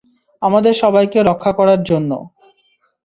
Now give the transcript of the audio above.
আমাদের সবাইকে রক্ষা করার জন্য।